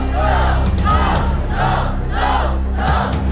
สู้